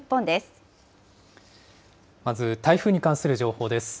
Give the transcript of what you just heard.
まず台風に関する情報です。